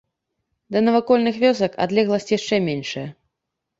Да навакольных вёсак адлегласць яшчэ меншая.